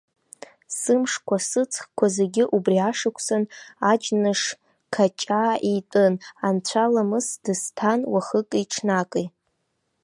Сымшқәа, сыҵхқәа зегьы убри ашықәсан аџьныш-қаҷаа итәын, анцәа-ламыс дысҭан уахыки-ҽнаки.